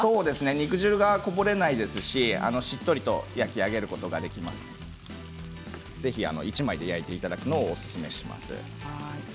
肉汁がこぼれないですししっかりと焼き上げることができますのでぜひ１枚で焼いていただくことをおすすめします。